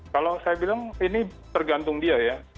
kalau saya bilang ini tergantung dia ya